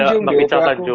ada pak ica tanjung